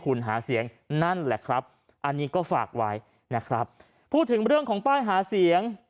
คุณหาเสียงนั่นแหละครับอันนี้ก็ฝากไว้นะครับพูดถึงเรื่องของป้ายหาเสียง